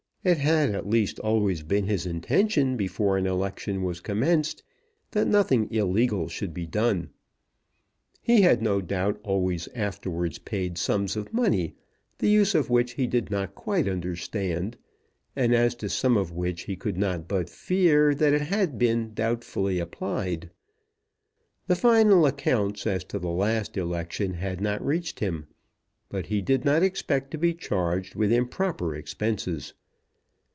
It had at least always been his intention before an election was commenced that nothing illegal should be done. He had no doubt always afterwards paid sums of money the use of which he did not quite understand, and as to some of which he could not but fear that it had been doubtfully applied. The final accounts as to the last election had not reached him, but he did not expect to be charged with improper expenses.